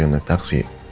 dengan naik taksi